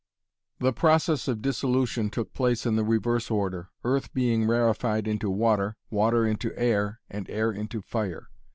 The process of dissolution took place in the reverse order, earth being rarefied into water, water into air, and air into fire.